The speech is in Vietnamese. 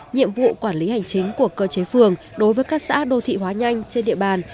nhiệm vụ quản lý hành chính của cơ chế phường đối với các xã đô thị hóa nhanh trên địa bàn